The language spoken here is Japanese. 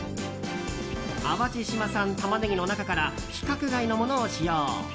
淡路島産タマネギの中から規格外のものを使用。